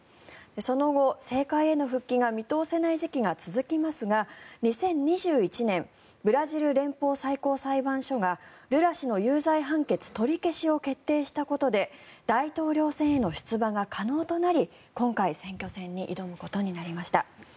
その後、政界への復帰が見通せない時期が続きますが２０２１年ブラジル連邦最高裁判所がルラ氏の有罪判決取り消しを決定したことで大統領選への出馬が可能となり今回、選挙戦に挑むことになりました。